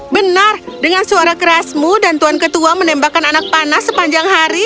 benar dengan suara kerasmu dan tuan ketua menembakkan anak panas sepanjang hari